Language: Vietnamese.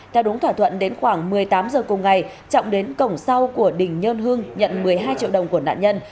theo đúng thỏa thuận đến khoảng một mươi tám h cùng ngày trọng đến cổng sau của đình nhơn hương nhận một mươi hai triệu đồng của nạn nhân